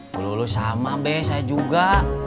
lululuh sama be saya juga